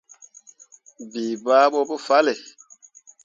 Bii bah ɓo pu fahlle.